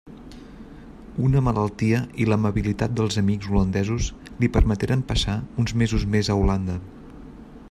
Una malaltia i l'amabilitat dels amics holandesos li permeteren passar uns mesos més a Holanda.